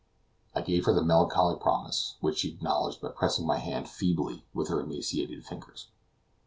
I gave her the melancholy promise, which she acknowledged by pressing my hand feebly with her emaciated fingers.